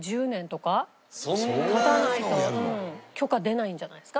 経たないと許可出ないんじゃないですか？